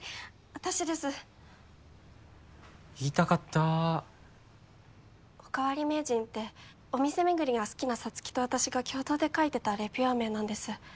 私です言いたかったーおかわり名人ってお店めぐりが好きな沙月と私が共同で書いてたレビュアー名なんです